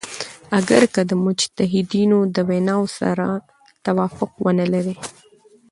اګر که د مجتهدینو د ویناوو سره توافق ونه لری.